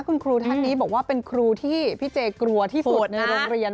คุณครูท่านนี้บอกว่าเป็นครูที่พี่เจกลัวที่สุดในโรงเรียน